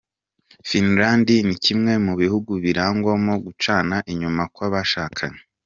Finland ni kimwe mu bihugu birangwamo gucana inyuma kw’abashakanye.